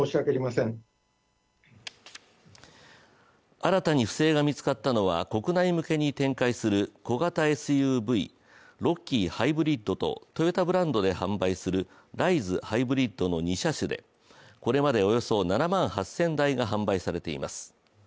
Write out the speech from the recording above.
新たに不正が見つかったのは国内向けに展開する小型ＳＵＶとトヨタブランドで販売するライズＨＥＶの２車種でこれまでおよそ７万８０００台が販売されています。